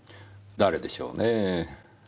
誰でしょうねぇ。